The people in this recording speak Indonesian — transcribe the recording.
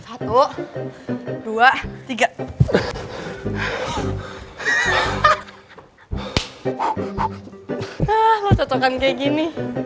ah lo cocokan kayak gini